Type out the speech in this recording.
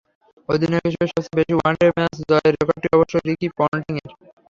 অধিনায়ক হিসেবে সবচেয়ে বেশি ওয়ানডে ম্যাচ জয়ের রেকর্ডটি অবশ্য রিকি পন্টিংয়ের।